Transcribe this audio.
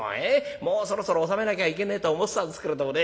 もうそろそろ納めなきゃいけねえと思ってたんですけれどもね